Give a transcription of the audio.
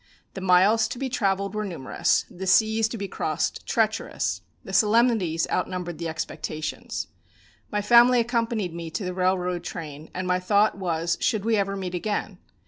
The miles to be travelled were numerous, the seas to be crossed treacherous, the solemnities outnumbered the expectations. My family accompanied me to the railroad train, and my thought was should we ever meet again?